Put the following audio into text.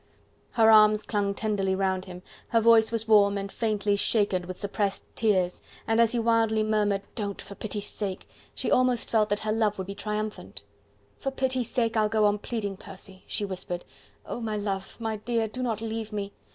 Her arms clung tenderly round him, her voice was warm and faintly shaken with suppressed tears, and as he wildly murmured: "Don't! for pity's sake!" she almost felt that her love would be triumphant. "For pity's sake, I'll go on pleading, Percy!" she whispered. "Oh! my love, my dear! do not leave me!...